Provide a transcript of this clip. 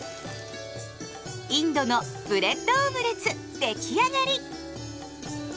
インドのブレッドオムレツ出来上がり。